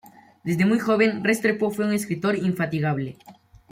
Desde muy joven Restrepo fue un escritor infatigable.